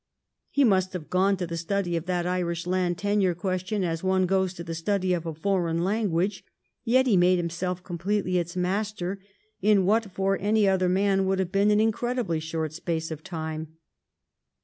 He must have gone to the study of that Irish land tenure question as one goes to the study of a foreign language, yet he made himself com pletely its master in what for any other man would have been an incredibly short space of time.